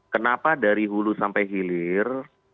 kenapa dari hulu sampai hilir